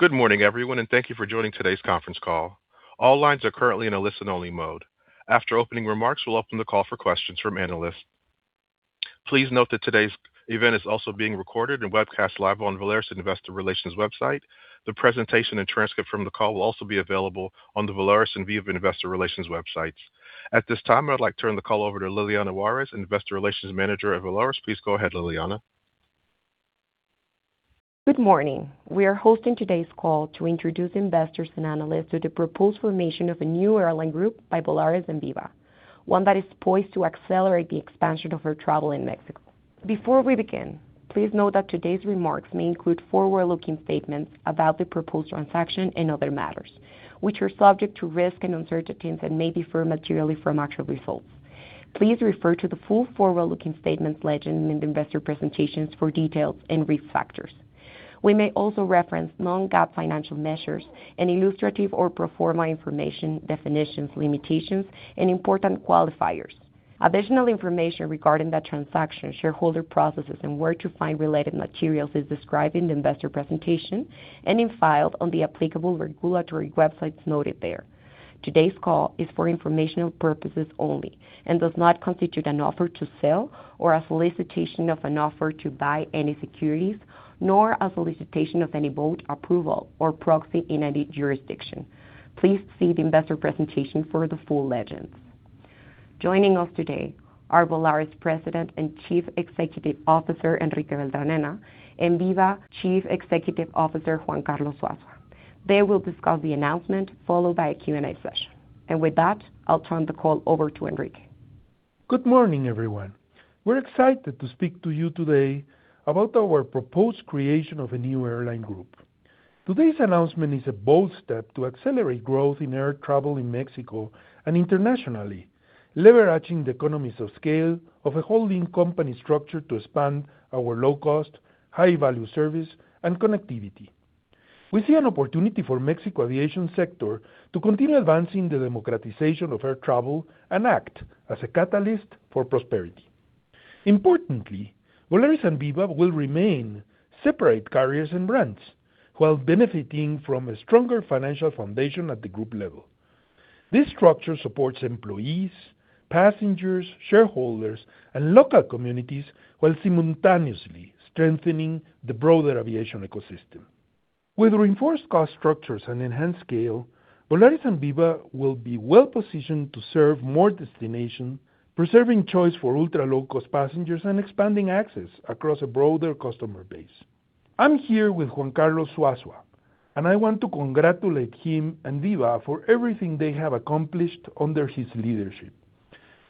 Good morning, everyone, and thank you for joining today's conference call. All lines are currently in a listen-only mode. After opening remarks, we'll open the call for questions from analysts. Please note that today's event is also being recorded and webcast live on the Volaris Investor Relations website. The presentation and transcript from the call will also be available on the Volaris and Viva Investor Relations websites. At this time, I'd like to turn the call over to Liliana Juárez, Investor Relations Manager at Volaris. Please go ahead, Liliana. Good morning. We are hosting today's call to introduce investors and analysts to the proposed formation of a new airline group by Volaris and Viva, one that is poised to accelerate the expansion of air travel in Mexico. Before we begin, please note that today's remarks may include forward-looking statements about the proposed transaction and other matters, which are subject to risk and uncertainties and may differ materially from actual results. Please refer to the full forward-looking statements legend in the investor presentations for details and risk factors. We may also reference non-GAAP financial measures and illustrative or pro forma information, definitions, limitations, and important qualifiers. Additional information regarding the transaction, shareholder processes, and where to find related materials is described in the investor presentation and filed on the applicable regulatory websites noted there. Today's call is for informational purposes only and does not constitute an offer to sell or a solicitation of an offer to buy any securities, nor a solicitation of any vote, approval, or proxy in any jurisdiction. Please see the investor presentation for the full legends. Joining us today are Volaris President and Chief Executive Officer Enrique Beltranena and Viva Chief Executive Officer Juan Carlos Zuazua. They will discuss the announcement, followed by a Q&A session. And with that, I'll turn the call over to Enrique. Good morning, everyone. We're excited to speak to you today about our proposed creation of a new airline group. Today's announcement is a bold step to accelerate growth in air travel in Mexico and internationally, leveraging the economies of scale of a holding company structure to expand our low-cost, high-value service and connectivity. We see an opportunity for the Mexico aviation sector to continue advancing the democratization of air travel and act as a catalyst for prosperity. Importantly, Volaris and Viva will remain separate carriers and brands while benefiting from a stronger financial foundation at the group level. This structure supports employees, passengers, shareholders, and local communities while simultaneously strengthening the broader aviation ecosystem. With reinforced cost structures and enhanced scale, Volaris and Viva will be well-positioned to serve more destinations, preserving choice for ultra-low-cost passengers and expanding access across a broader customer base. I'm here with Juan Carlos Zuazua, and I want to congratulate him and Viva for everything they have accomplished under his leadership.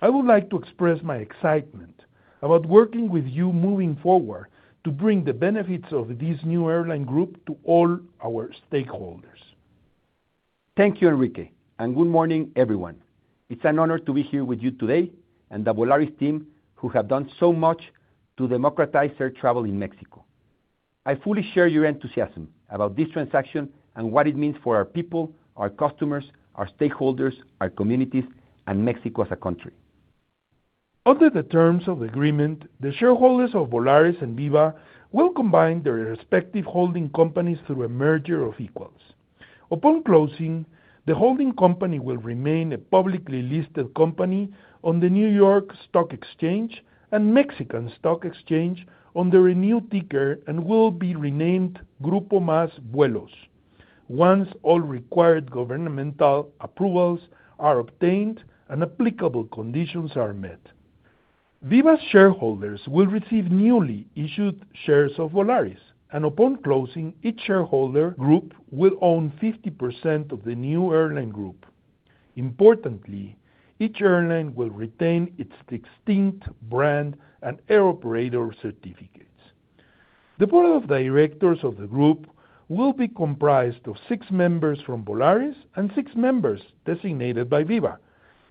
I would like to express my excitement about working with you moving forward to bring the benefits of this new airline group to all our stakeholders. Thank you, Enrique, and good morning, everyone. It's an honor to be here with you today and the Volaris team who have done so much to democratize air travel in Mexico. I fully share your enthusiasm about this transaction and what it means for our people, our customers, our stakeholders, our communities, and Mexico as a country. Under the terms of the agreement, the shareholders of Volaris and Viva will combine their respective holding companies through a merger of equals. Upon closing, the holding company will remain a publicly listed company on the New York Stock Exchange and Mexican Stock Exchange under a new ticker and will be renamed Grupo Más Vuelos, once all required governmental approvals are obtained and applicable conditions are met. Viva's shareholders will receive newly issued shares of Volaris, and upon closing, each shareholder group will own 50% of the new airline group. Importantly, each airline will retain its distinct brand and Air Operator Certificates. The board of directors of the group will be comprised of six members from Volaris and six members designated by Viva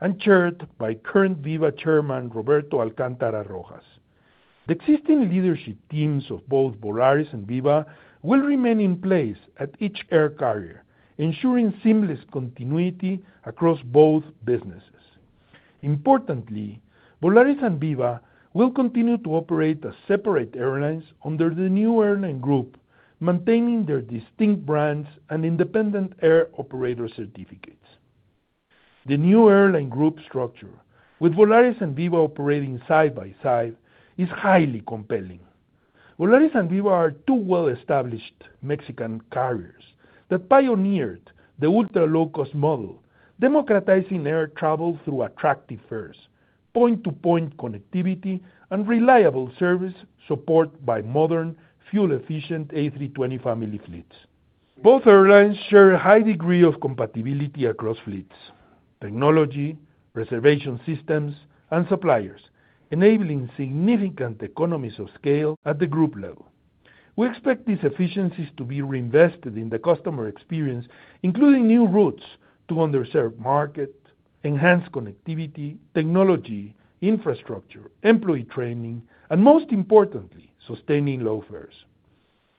and chaired by current Viva Chairman Roberto Alcántara Rojas. The existing leadership teams of both Volaris and Viva will remain in place at each air carrier, ensuring seamless continuity across both businesses. Importantly, Volaris and Viva will continue to operate as separate airlines under the new airline group, maintaining their distinct brands and independent Air Operator Certificates. The new airline group structure, with Volaris and Viva operating side by side, is highly compelling. Volaris and Viva are two well-established Mexican carriers that pioneered the ultra-low-cost model, democratizing air travel through attractive fares, point-to-point connectivity, and reliable service support by modern, fuel-efficient A320 Family fleets. Both airlines share a high degree of compatibility across fleets, technology, reservation systems, and suppliers, enabling significant economies of scale at the group level. We expect these efficiencies to be reinvested in the customer experience, including new routes to underserved markets, enhanced connectivity, technology, infrastructure, employee training, and most importantly, sustaining low fares.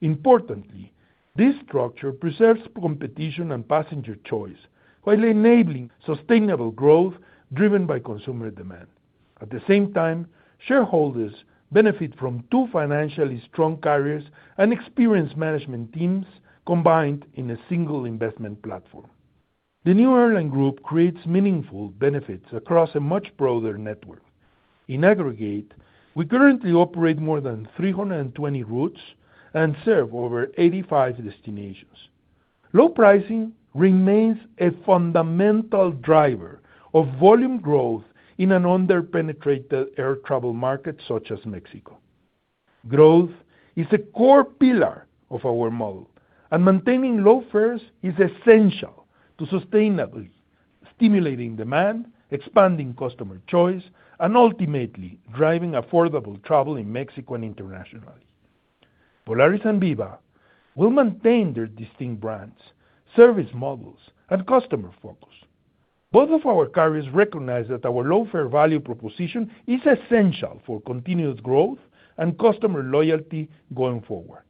Importantly, this structure preserves competition and passenger choice while enabling sustainable growth driven by consumer demand. At the same time, shareholders benefit from two financially strong carriers and experienced management teams combined in a single investment platform. The new airline group creates meaningful benefits across a much broader network. In aggregate, we currently operate more than 320 routes and serve over 85 destinations. Low pricing remains a fundamental driver of volume growth in an under-penetrated air travel market such as Mexico. Growth is a core pillar of our model, and maintaining low fares is essential to sustainably stimulating demand, expanding customer choice, and ultimately driving affordable travel in Mexico and internationally. Volaris and Viva will maintain their distinct brands, service models, and customer focus. Both of our carriers recognize that our low fare value proposition is essential for continued growth and customer loyalty going forward.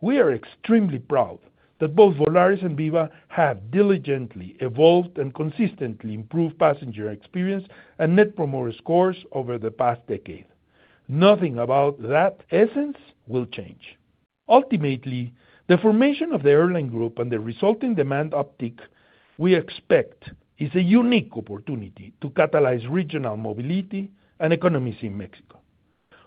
We are extremely proud that both Volaris and Viva have diligently evolved and consistently improved passenger experience and Net Promoter Scores over the past decade. Nothing about that essence will change. Ultimately, the formation of the airline group and the resulting demand uptick we expect is a unique opportunity to catalyze regional mobility and economies in Mexico.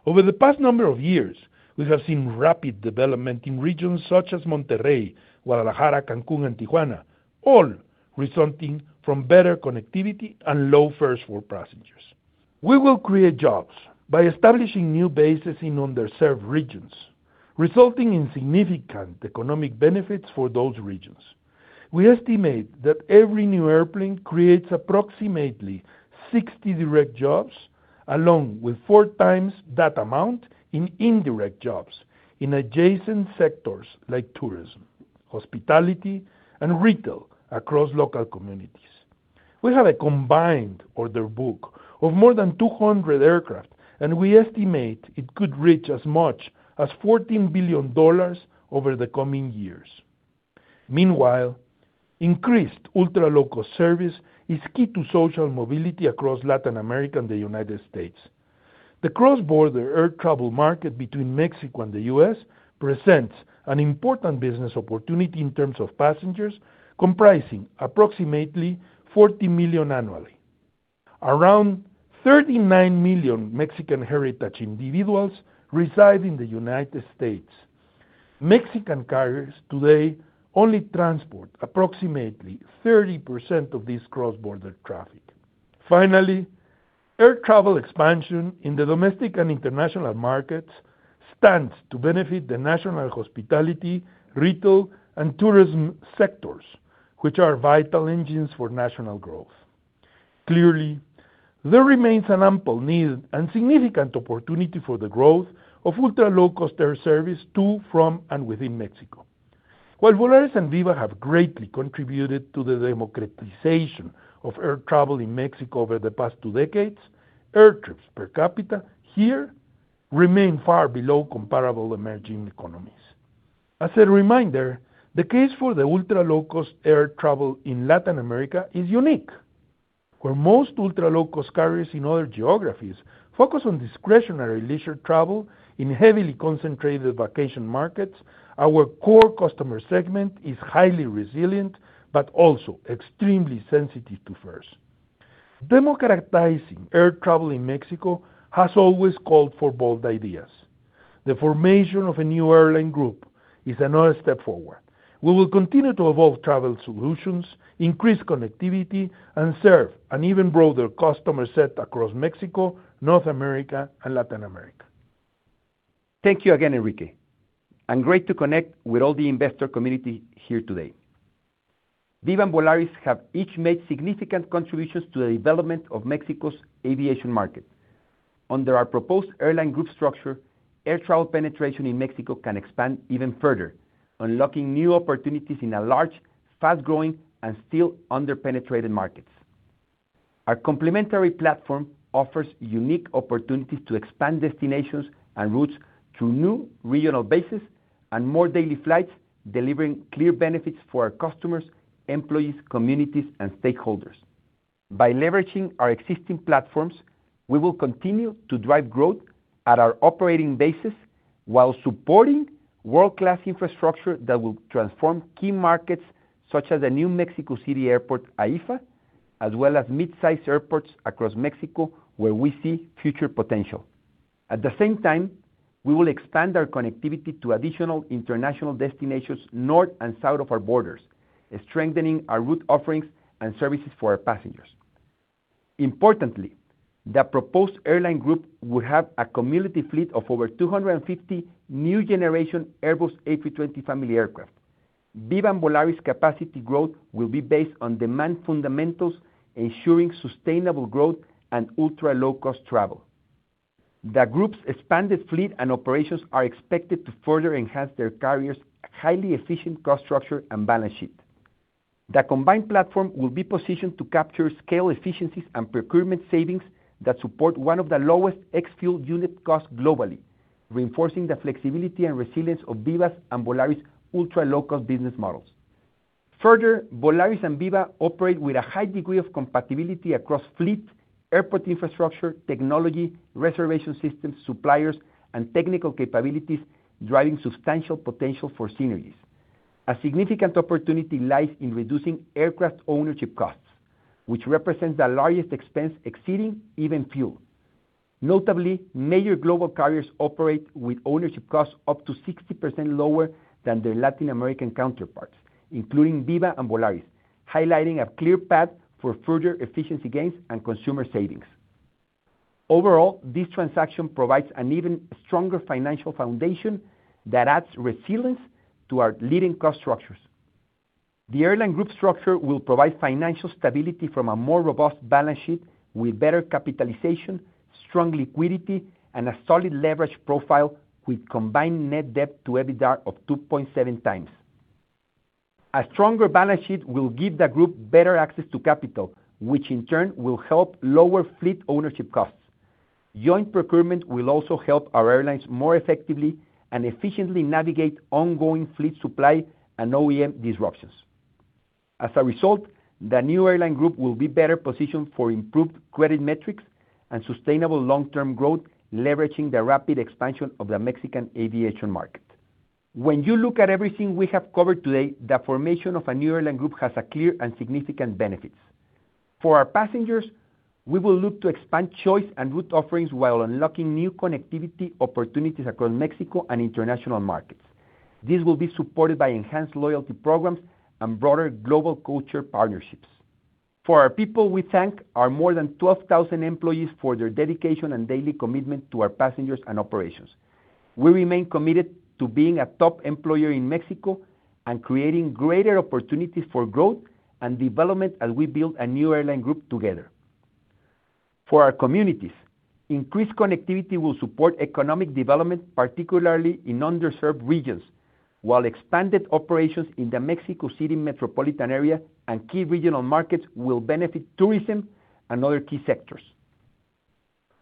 Over the past number of years, we have seen rapid development in regions such as Monterrey, Guadalajara, Cancún, and Tijuana, all resulting from better connectivity and low fares for passengers. We will create jobs by establishing new bases in underserved regions, resulting in significant economic benefits for those regions. We estimate that every new airplane creates approximately 60 direct jobs, along with four times that amount in indirect jobs in adjacent sectors like tourism, hospitality, and retail across local communities. We have a combined order book of more than 200 aircraft, and we estimate it could reach as much as $14 billion over the coming years. Meanwhile, increased ultra-low-cost service is key to social mobility across Latin America and the United States. The cross-border air travel market between Mexico and the U.S. presents an important business opportunity in terms of passengers, comprising approximately 40 million annually. Around 39 million Mexican heritage individuals reside in the United States. Mexican carriers today only transport approximately 30% of this cross-border traffic. Finally, air travel expansion in the domestic and international markets stands to benefit the national hospitality, retail, and tourism sectors, which are vital engines for national growth. Clearly, there remains an ample need and significant opportunity for the growth of ultra-low-cost air service to, from, and within Mexico. While Volaris and Viva have greatly contributed to the democratization of air travel in Mexico over the past two decades, air trips per capita here remain far below comparable emerging economies. As a reminder, the case for the ultra-low-cost air travel in Latin America is unique. Where most ultra-low-cost carriers in other geographies focus on discretionary leisure travel in heavily concentrated vacation markets, our core customer segment is highly resilient but also extremely sensitive to fares. Democratizing air travel in Mexico has always called for bold ideas. The formation of a new airline group is another step forward. We will continue to evolve travel solutions, increase connectivity, and serve an even broader customer set across Mexico, North America, and Latin America. Thank you again, Enrique, and great to connect with all the investor community here today. Viva and Volaris have each made significant contributions to the development of Mexico's aviation market. Under our proposed airline group structure, air travel penetration in Mexico can expand even further, unlocking new opportunities in a large, fast-growing, and still under-penetrated markets. Our complementary platform offers unique opportunities to expand destinations and routes through new regional bases and more daily flights, delivering clear benefits for our customers, employees, communities, and stakeholders. By leveraging our existing platforms, we will continue to drive growth at our operating bases while supporting world-class infrastructure that will transform key markets such as the new Mexico City Airport, AIFA, as well as mid-sized airports across Mexico where we see future potential. At the same time, we will expand our connectivity to additional international destinations north and south of our borders, strengthening our route offerings and services for our passengers. Importantly, the proposed airline group will have a combined fleet of over 250 new-generation Airbus A320 Family aircraft. Viva and Volaris' capacity growth will be based on demand fundamentals, ensuring sustainable growth and ultra-low-cost travel. The group's expanded fleet and operations are expected to further enhance their carriers' highly efficient cost structure and balance sheet. The combined platform will be positioned to capture scale efficiencies and procurement savings that support one of the lowest ex-fuel unit costs globally, reinforcing the flexibility and resilience of Viva's and Volaris' ultra-low-cost business models. Further, Volaris and Viva operate with a high degree of compatibility across fleet, airport infrastructure, technology, reservation systems, suppliers, and technical capabilities, driving substantial potential for synergies. A significant opportunity lies in reducing aircraft ownership costs, which represents the largest expense exceeding even fuel. Notably, major global carriers operate with ownership costs up to 60% lower than their Latin American counterparts, including Viva and Volaris, highlighting a clear path for further efficiency gains and consumer savings. Overall, this transaction provides an even stronger financial foundation that adds resilience to our leading cost structures. The airline group structure will provide financial stability from a more robust balance sheet with better capitalization, strong liquidity, and a solid leverage profile with combined net debt to EBITDA of 2.7 times. A stronger balance sheet will give the group better access to capital, which in turn will help lower fleet ownership costs. Joint procurement will also help our airlines more effectively and efficiently navigate ongoing fleet supply and OEM disruptions. As a result, the new airline group will be better positioned for improved credit metrics and sustainable long-term growth, leveraging the rapid expansion of the Mexican aviation market. When you look at everything we have covered today, the formation of a new airline group has clear and significant benefits. For our passengers, we will look to expand choice and route offerings while unlocking new connectivity opportunities across Mexico and international markets. This will be supported by enhanced loyalty programs and broader global culture partnerships. For our people, we thank our more than 12,000 employees for their dedication and daily commitment to our passengers and operations. We remain committed to being a top employer in Mexico and creating greater opportunities for growth and development as we build a new airline group together. For our communities, increased connectivity will support economic development, particularly in underserved regions, while expanded operations in the Mexico City metropolitan area and key regional markets will benefit tourism and other key sectors.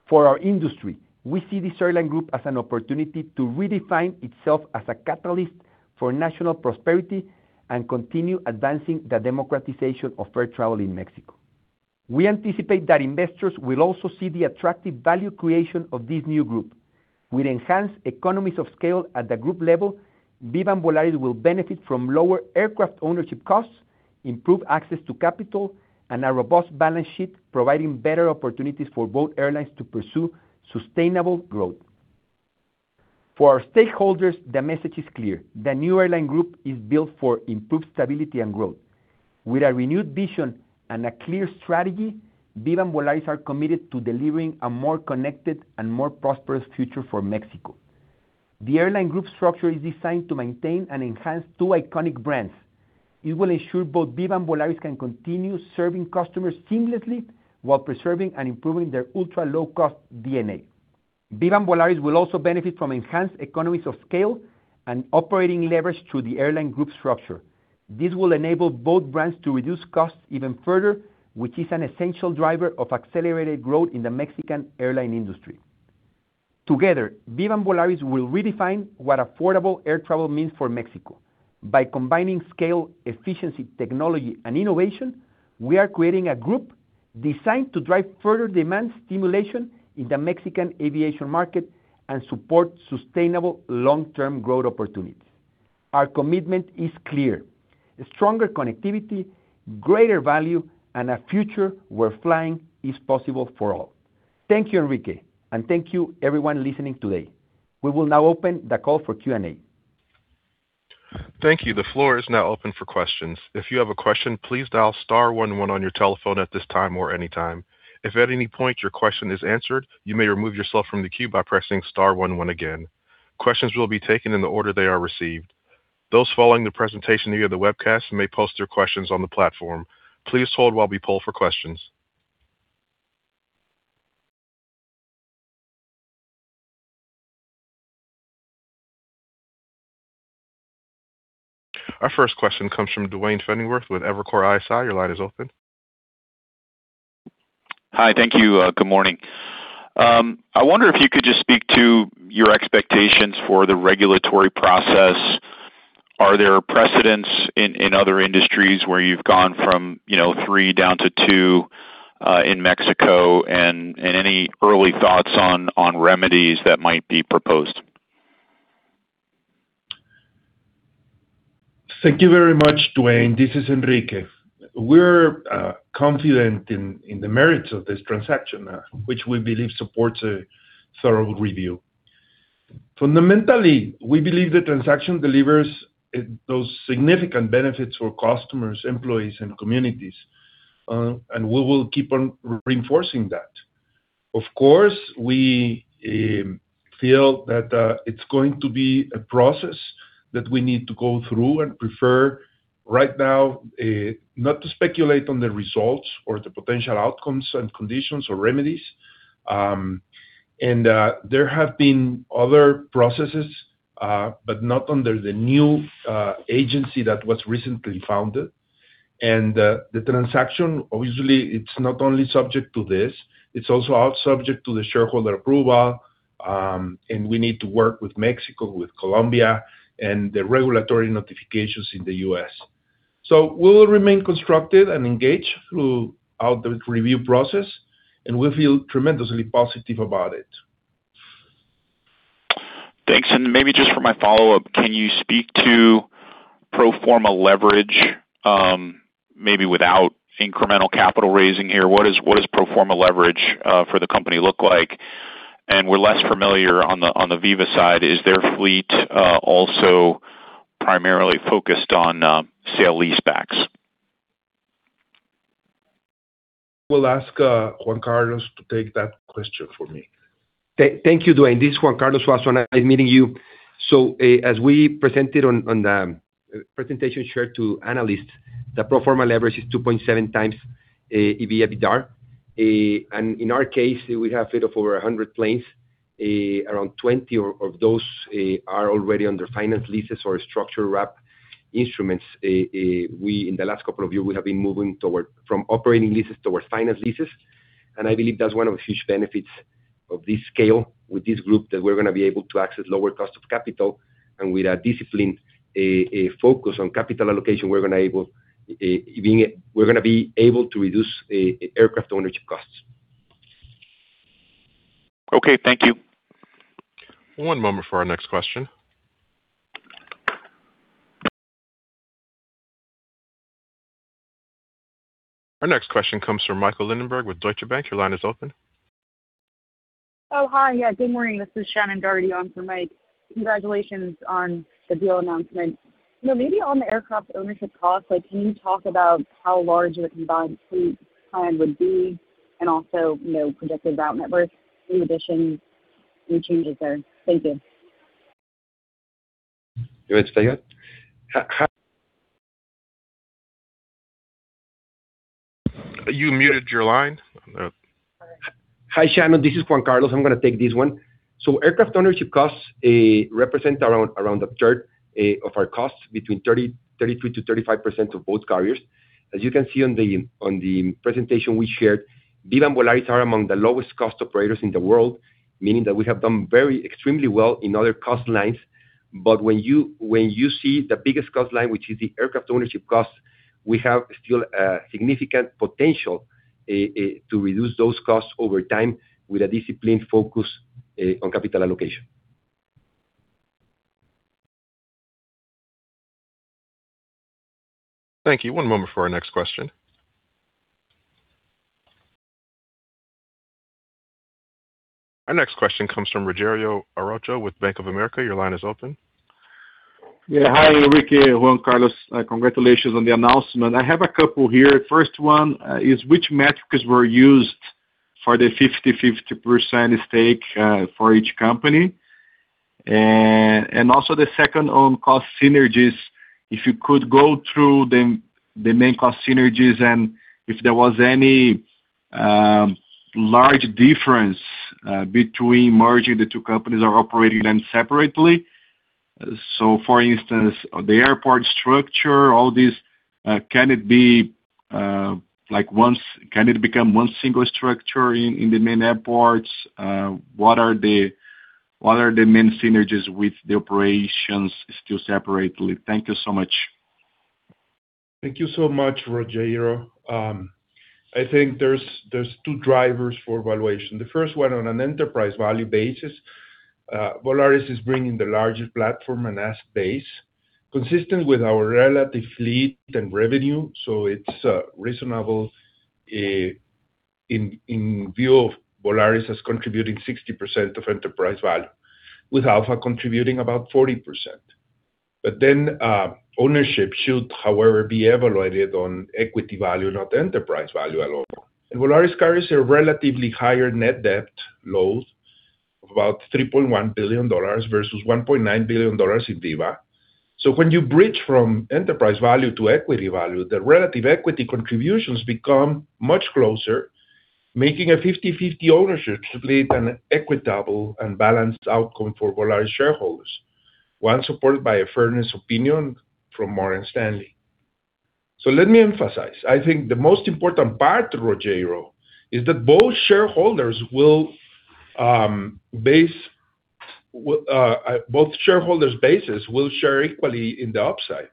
For our industry, we see this airline group as an opportunity to redefine itself as a catalyst for national prosperity and continue advancing the democratization of air travel in Mexico. We anticipate that investors will also see the attractive value creation of this new group. With enhanced economies of scale at the group level, Viva and Volaris will benefit from lower aircraft ownership costs, improved access to capital, and a robust balance sheet, providing better opportunities for both airlines to pursue sustainable growth. For our stakeholders, the message is clear: the new airline group is built for improved stability and growth. With a renewed vision and a clear strategy, Viva and Volaris are committed to delivering a more connected and more prosperous future for Mexico. The airline group structure is designed to maintain and enhance two iconic brands. It will ensure both Viva and Volaris can continue serving customers seamlessly while preserving and improving their ultra-low-cost DNA. Viva and Volaris will also benefit from enhanced economies of scale and operating leverage through the airline group structure. This will enable both brands to reduce costs even further, which is an essential driver of accelerated growth in the Mexican airline industry. Together, Viva and Volaris will redefine what affordable air travel means for Mexico. By combining scale, efficiency, technology, and innovation, we are creating a group designed to drive further demand stimulation in the Mexican aviation market and support sustainable long-term growth opportunities. Our commitment is clear: stronger connectivity, greater value, and a future where flying is possible for all. Thank you, Enrique, and thank you, everyone listening today. We will now open the call for Q&A. Thank you. The floor is now open for questions. If you have a question, please dial star one one on your telephone at this time or any time. If at any point your question is answered, you may remove yourself from the queue by pressing star one one again. Questions will be taken in the order they are received. Those following the presentation via the webcast may post their questions on the platform. Please hold while we poll for questions. Our first question comes from Duane Pfennigwerth with Evercore ISI. Your line is open. Hi, thank you. Good morning. I wonder if you could just speak to your expectations for the regulatory process. Are there precedents in other industries where you've gone from three down to two in Mexico? And any early thoughts on remedies that might be proposed? Thank you very much, Duane. This is Enrique. We're confident in the merits of this transaction, which we believe supports a thorough review. Fundamentally, we believe the transaction delivers those significant benefits for customers, employees, and communities, and we will keep on reinforcing that. Of course, we feel that it's going to be a process that we need to go through and prefer right now not to speculate on the results or the potential outcomes and conditions or remedies. And there have been other processes, but not under the new agency that was recently founded. And the transaction, obviously, it's not only subject to this. It's also subject to the shareholder approval, and we need to work with Mexico, with Colombia, and the regulatory notifications in the U.S. So we will remain constructive and engaged throughout the review process, and we feel tremendously positive about it. Thanks. And maybe just for my follow-up, can you speak to pro forma leverage, maybe without incremental capital raising here? What does pro forma leverage for the company look like? And we're less familiar on the Viva side. Is their fleet also primarily focused on sale-leasebacks? We'll ask Juan Carlos to take that question for me. Thank you, Duane. This is Juan Carlos Zuazua. Nice meeting you. So as we presented on the presentation shared to analysts, the pro forma leverage is 2.7 times EV/EBITDA. And in our case, we have fleet of over 100 planes. Around 20 of those are already under finance leases or structured wrap instruments. In the last couple of years, we have been moving from operating leases towards finance leases. And I believe that's one of the huge benefits of this scale with this group, that we're going to be able to access lower cost of capital. And with a disciplined focus on capital allocation, we're going to be able to reduce aircraft ownership costs. Okay, thank you. One moment for our next question. Our next question comes from Michael Linenberg with Deutsche Bank. Your line is open. Oh, hi. Yeah, good morning. This is Shannon Doherty on for Mike. Congratulations on the deal announcement. Maybe on the aircraft ownership cost, can you talk about how large the combined fleet plan would be and also projected route net worth, new additions, new changes there? Thank you. You want to stay here? You muted your line. Hi, Shannon. This is Juan Carlos. I'm going to take this one. Aircraft ownership costs represent around a third of our costs, between 33%-35% of both carriers. As you can see on the presentation we shared, Viva and Volaris are among the lowest-cost operators in the world, meaning that we have done extremely well in other cost lines. But when you see the biggest cost line, which is the aircraft ownership costs, we have still significant potential to reduce those costs over time with a disciplined focus on capital allocation. Thank you. One moment for our next question. Our next question comes from Rogério Araújo with Bank of America. Your line is open. Yeah, hi, Enrique. Juan Carlos, congratulations on the announcement. I have a couple here. First one is which metrics were used for the 50/50% stake for each company? And also the second on cost synergies, if you could go through the main cost synergies and if there was any large difference between merging the two companies or operating them separately. So for instance, the airport structure, all these, can it become one single structure in the main airports? What are the main synergies with the operations still separately? Thank you so much. Thank you so much, Rogério. I think there's two drivers for valuation. The first one, on an enterprise value basis, Volaris is bringing the largest platform and asset base, consistent with our relative fleet and revenue, so it's reasonable in view of Volaris as contributing 60% of enterprise value, with Viva contributing about 40%, but then ownership should, however, be evaluated on equity value, not enterprise value alone, and Volaris carries a relatively higher net debt load of about $3.1 billion versus $1.9 billion in Viva. So when you bridge from enterprise value to equity value, the relative equity contributions become much closer, making a 50/50 ownership split an equitable and balanced outcome for Volaris shareholders, one supported by a fairness opinion from Morgan Stanley, so let me emphasize, I think the most important part, Rogério, is that both shareholders will share equally in the upside.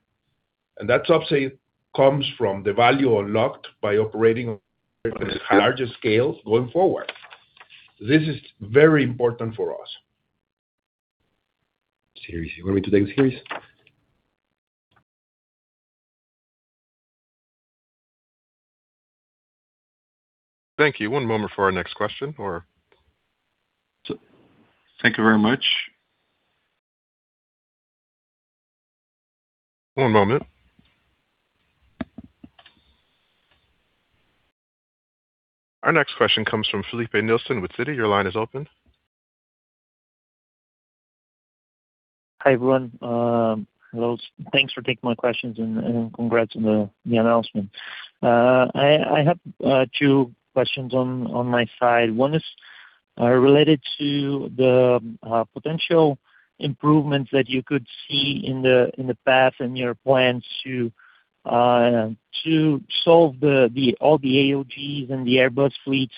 That upside comes from the value unlocked by operating on a larger scale going forward. This is very important for us. Seriously, you want me to take this? Thank you. One moment for our next question. Thank you very much. One moment. Our next question comes from Filipe Nielsen with Citi. Your line is open. Hi everyone. Thanks for taking my questions and congrats on the announcement. I have two questions on my side. One is related to the potential improvements that you could see in the past and your plans to solve all the AOGs and the Airbus fleet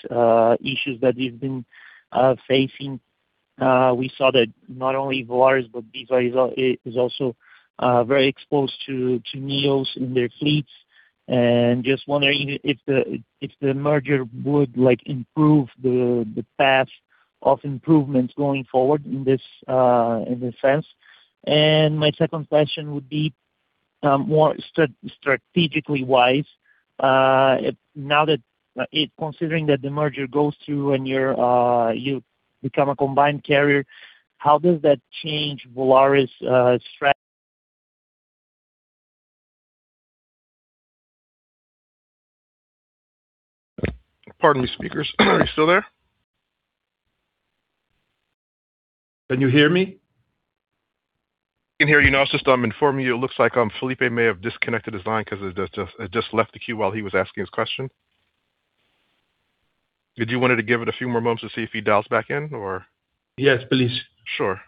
issues that we've been facing. We saw that not only Volaris, but Viva is also very exposed to NEOs in their fleets. And just wondering if the merger would improve the path of improvements going forward in this sense. And my second question would be more strategically wise. Now that, considering that the merger goes through and you become a combined carrier, how does that change Volaris' strategy? Pardon me, speakers. Are you still there? Can you hear me? I can hear you now. Just to inform you, it looks like Filipe may have disconnected his line because he just left the queue while he was asking his question. Did you want to give it a few more moments to see if he dials back in, or? Yes, please. Sure.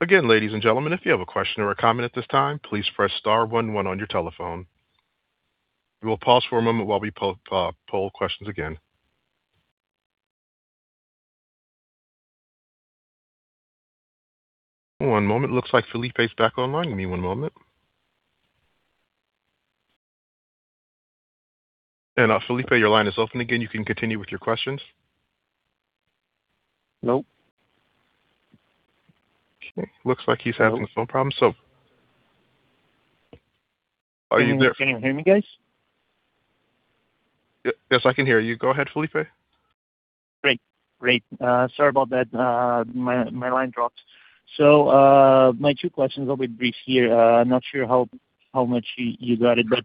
Again, ladies and gentlemen, if you have a question or a comment at this time, please press star one one on your telephone. We will pause for a moment while we poll questions again. One moment. It looks like Felipe is back online. Give me one moment. And Felipe, your line is open again. You can continue with your questions. Nope. Okay. Looks like he's having a phone problem. So are you there? Can you hear me, guys? Yes, I can hear you. Go ahead, Felipe. Great. Great. Sorry about that. My line dropped. So my two questions will be brief here. I'm not sure how much you got it. But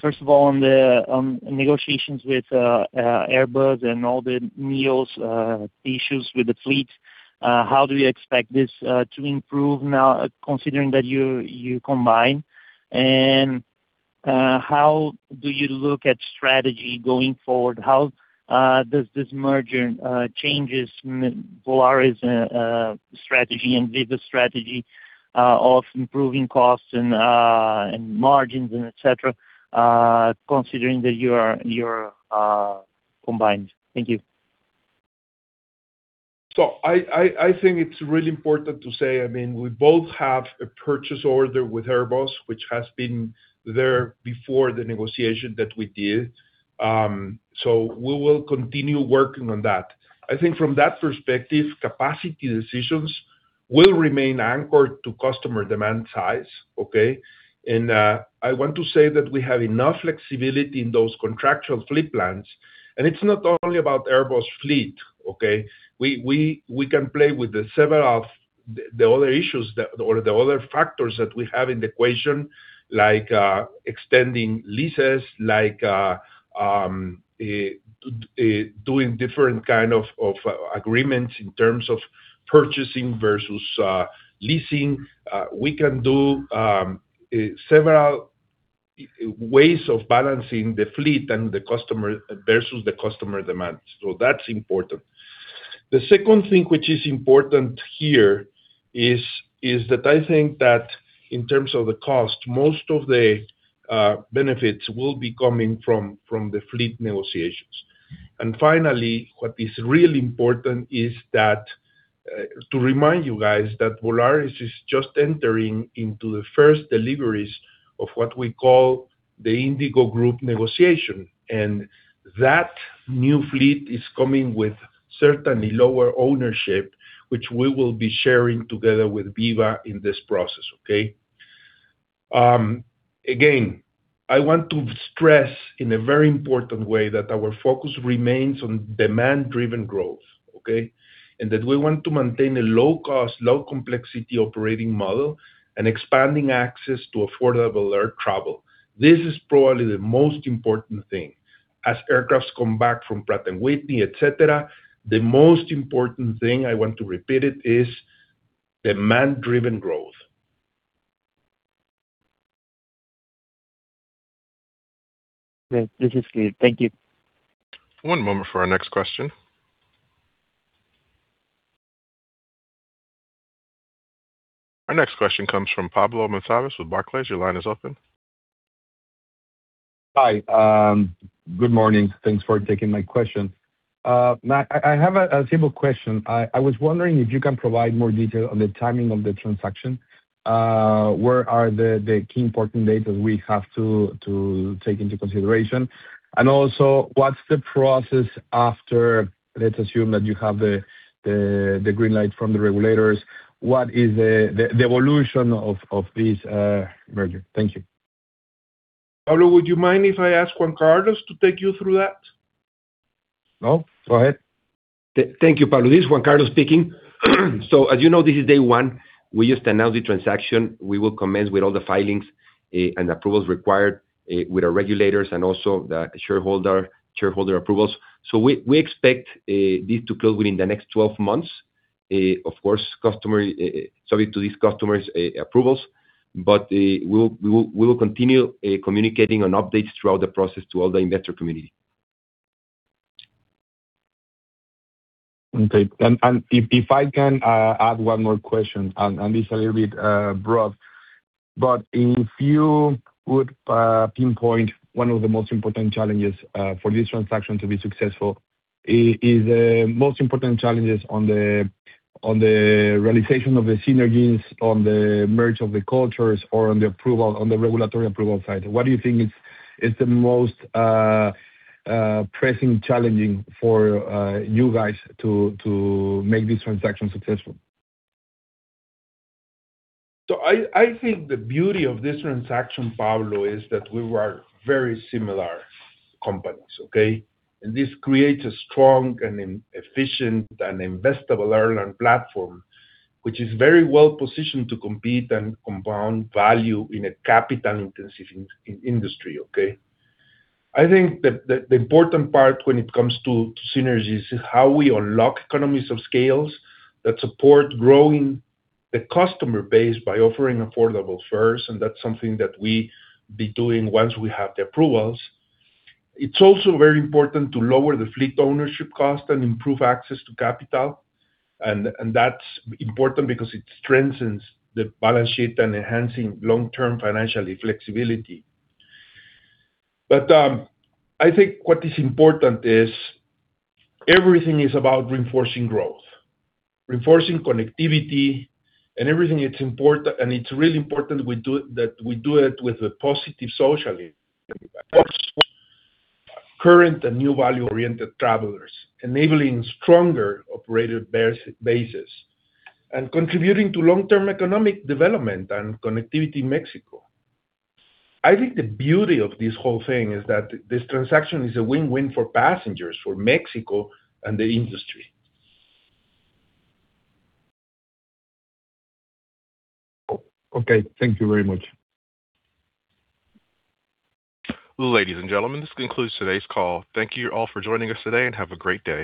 first of all, on the negotiations with Airbus and all the NEOs issues with the fleet, how do you expect this to improve now, considering that you combine? And how do you look at strategy going forward? How does this merger change Volaris' strategy and Viva's strategy of improving costs and margins and etc., considering that you're combined? Thank you. So I think it's really important to say, I mean, we both have a purchase order with Airbus, which has been there before the negotiation that we did. So we will continue working on that. I think from that perspective, capacity decisions will remain anchored to customer demand size. Okay? And I want to say that we have enough flexibility in those contractual fleet plans. And it's not only about Airbus fleet. Okay? We can play with the other issues or the other factors that we have in the equation, like extending leases, like doing different kinds of agreements in terms of purchasing versus leasing. We can do several ways of balancing the fleet and the customer versus the customer demand. So that's important. The second thing which is important here is that I think that in terms of the cost, most of the benefits will be coming from the fleet negotiations. And finally, what is really important is to remind you guys that Volaris is just entering into the first deliveries of what we call the Indigo Group negotiation. And that new fleet is coming with certainly lower ownership, which we will be sharing together with Viva in this process. Okay? Again, I want to stress in a very important way that our focus remains on demand-driven growth. Okay? And that we want to maintain a low-cost, low-complexity operating model and expanding access to affordable air travel. This is probably the most important thing. As aircraft come back from Pratt & Whitney, etc., the most important thing, I want to repeat it, is demand-driven growth. This is good. Thank you. One moment for our next question. Our next question comes from Pablo Monsiváis with Barclays. Your line is open. Hi. Good morning. Thanks for taking my question. I have a simple question. I was wondering if you can provide more detail on the timing of the transaction. Where are the key important dates we have to take into consideration? And also, what's the process after? Let's assume that you have the green light from the regulators. What is the evolution of this merger? Thank you. Pablo, would you mind if I ask Juan Carlos to take you through that? No, go ahead. Thank you, Pablo. This is Juan Carlos speaking. So as you know, this is day one. We just announced the transaction. We will commence with all the filings and approvals required with our regulators and also the shareholder approvals. So we expect this to close within the next 12 months, of course, subject to these customary approvals. But we will continue communicating on updates throughout the process to all the investor community. Okay. And if I can add one more question, and this is a little bit broad, but if you would pinpoint one of the most important challenges for this transaction to be successful, is the most important challenges on the realization of the synergies on the merger of the cultures or on the regulatory approval side? What do you think is the most pressing challenge for you guys to make this transaction successful? I think the beauty of this transaction, Pablo, is that we were very similar companies. Okay? And this creates a strong and efficient and investable airline platform, which is very well positioned to compete and compound value in a capital-intensive industry. Okay? I think the important part when it comes to synergies is how we unlock economies of scale that support growing the customer base by offering affordable first. And that's something that we'll be doing once we have the approvals. It's also very important to lower the fleet ownership cost and improve access to capital. And that's important because it strengthens the balance sheet and enhances long-term financial flexibility. But I think what is important is everything is about reinforcing growth, reinforcing connectivity, and everything. It's really important that we do it with a positive social impact for current and new value-oriented travelers, enabling stronger operator bases and contributing to long-term economic development and connectivity in Mexico. I think the beauty of this whole thing is that this transaction is a win-win for passengers, for Mexico and the industry. Okay. Thank you very much. Ladies and gentlemen, this concludes today's call. Thank you all for joining us today and have a great day.